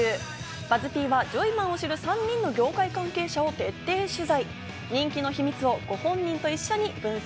ＢＵＺＺ−Ｐはジョイマンを知る３人の業界関係者を徹底取材。